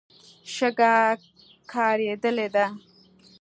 شګه کارېدلې ده.